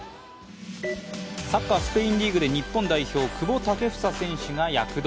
サッカー・スペインリーグで日本代表・久保建英選手が躍動。